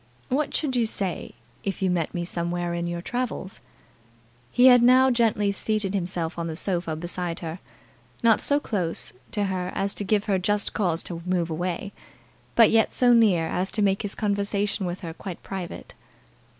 "What should you say if you met me somewhere in your travels?" He had now gently seated himself on the sofa beside her; not so close to her as to give her just cause to move away, but yet so near as to make his conversation with her quite private.